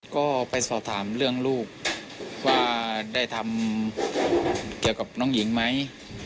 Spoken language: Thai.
ก็ไปสอบถามเรื่องลูกว่าได้ทำเกี่ยวกับน้องหญิงไหม